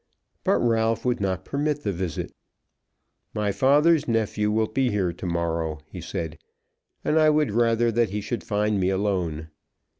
But Ralph would not permit the visit. "My father's nephew will be here to morrow," he said, "and I would rather that he should find me alone."